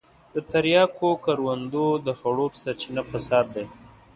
د تریاکو کروندو د خړوب سرچينه فساد دی.